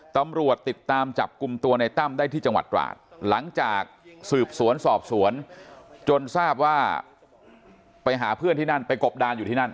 ตำรวจติดตามจับกลุ่มตัวในตั้มได้ที่จังหวัดตราดหลังจากสืบสวนสอบสวนจนทราบว่าไปหาเพื่อนที่นั่นไปกบดานอยู่ที่นั่น